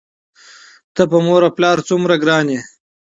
ته په مور و پلار څومره ګران یې؟!